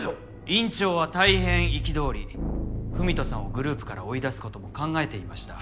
院長は大変憤り郁人さんをグループから追い出すことも考えていました。